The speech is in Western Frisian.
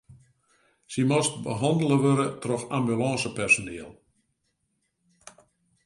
Sy moast behannele wurde troch ambulânsepersoniel.